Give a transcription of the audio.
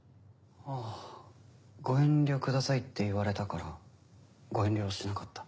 あぁ「ご遠慮ください」って言われたからご遠慮しなかった。